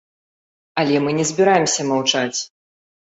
Але мы не збіраемся маўчаць.